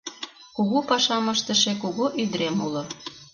Кугу пашам ыштыше кугу ӱдырем уло.